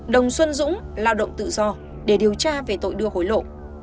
đồng xuân dũng lao động tự do để điều tra về tội đưa hối lộ